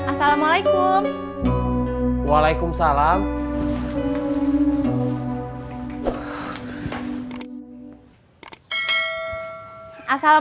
n structur makasih teh